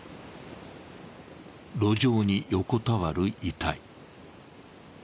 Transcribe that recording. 路上に横たわる遺体。